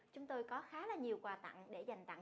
chúng tôi có khá là nhiều quà tặng để dành tặng